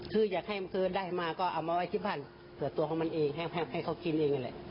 คือได้มาก็เอามาไว้ทิ้งบ้านเผื่อตัวของมันเองให้เขากินเอง